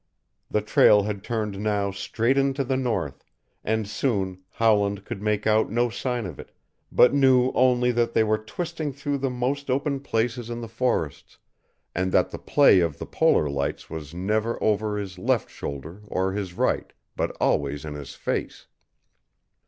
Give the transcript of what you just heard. The trail had turned now straight into the North, and soon Howland could make out no sign of it, but knew only that they were twisting through the most open places in the forests, and that the play of the Polar lights was never over his left shoulder or his right, but always in his face.